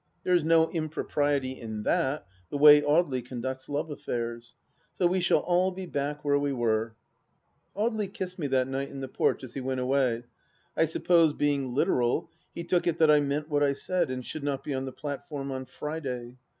There is no impropriety in that, the way Audely conducts love affairs. So we shall all be back where we were. ... Audely kissed me that night in the porch as he went away. I suppose, being literal, he took it that I meant what I said, and should not be on the platform on Friday.